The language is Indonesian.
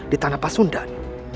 di tanah pasundan